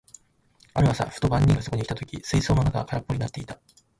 ある朝、ふと番人がそこに来た時、水槽の中は空っぽになっていた。